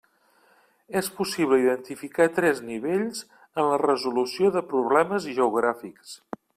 És possible identificar tres nivells en la resolució de problemes geogràfics.